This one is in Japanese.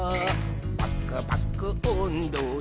「パクパクおんどで」